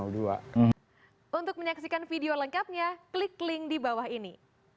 untuk menyaksikan video lengkapnya klik link di bawah ini